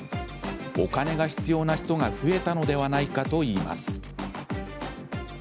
お金が必要な人が増えたのではないかといいます。